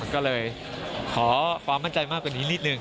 ก็เลยขอความมั่นใจมากกว่านี้นิดนึง